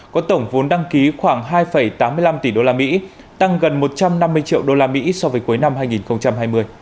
có tổng vốn đăng ký khoảng hai tám mươi năm tỷ usd tăng gần một trăm năm mươi triệu usd so với cuối năm hai nghìn hai mươi